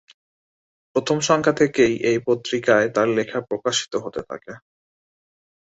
প্রথম সংখ্যা থেকেই এই পত্রিকায় তার লেখা প্রকাশিত হতে থাকে।